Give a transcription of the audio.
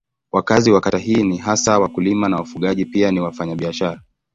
Wakazi wa kata hii ni hasa wakulima na wafugaji pia ni wafanyabiashara.